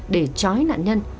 để chói nạn nhân